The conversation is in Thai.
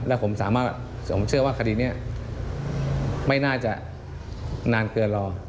และผมเชื่อว่าคดีนี้ไม่น่าจะนานเกินรอ